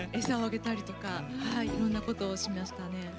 餌をあげたりとかいろんなことをしましたね。